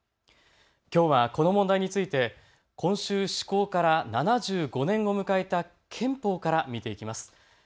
きょうはこの問題について今週、施行から７５年を迎えた憲法から見ていきます。